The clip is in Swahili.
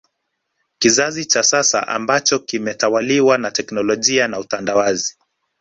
Kizazi cha sasa ambacho kimetawaliwa na teknolojia na utandawazi